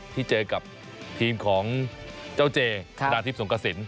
ที่เจอกับทีมของเจ้าเจธนาทิพย์สงกระสิน